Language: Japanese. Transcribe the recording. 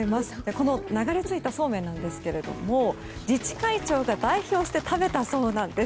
この流れ着いたそうめんなんですけれども自治会長が代表して食べたそうなんです。